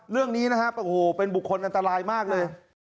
เรื่องนี้นะฮะโอ้โหเป็นบุคคลอันตรายมากเลย